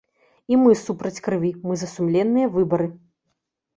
І мы супраць крыві, мы за сумленныя выбары.